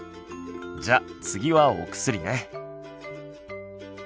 じゃあ次はお薬ね。